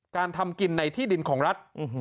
การทำกินในที่ดินของรัฐ